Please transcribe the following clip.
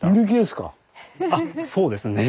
あっそうですね。